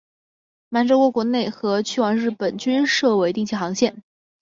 满洲国国内和去往日本均设为定期航线。